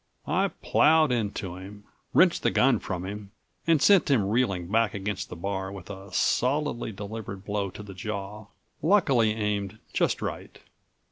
I ploughed into him, wrenched the gun from him and sent him reeling back against the bar with a solidly delivered blow to the jaw, luckily aimed just right.